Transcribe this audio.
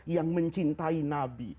yang mencintai nabi